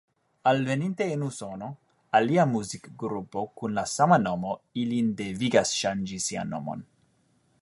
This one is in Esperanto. Alveninte en Usono, alia muzikgrupo kun la sama nomo ilin devigas ŝanĝi sian nomon.